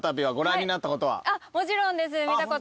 もちろんです。